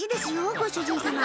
ご主人様」